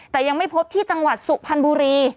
แต่ยังไม่พบที่จังหวัดสุพรรณบุรี